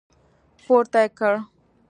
پورته يې کړ.